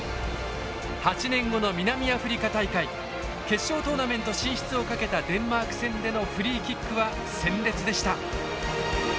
決勝トーナメント進出をかけたデンマーク戦でのフリーキックは鮮烈でした。